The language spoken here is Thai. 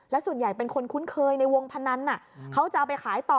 ส่วนใหญ่เป็นคนคุ้นเคยในวงพนันเขาจะเอาไปขายต่อ